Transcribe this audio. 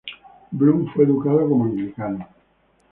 Bloom fue educado como anglicano.